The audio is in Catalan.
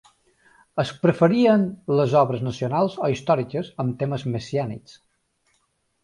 Es preferien les obres nacionals o històriques amb temes messiànics.